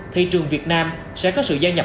thị trường việt nam sẽ có sự gia nhập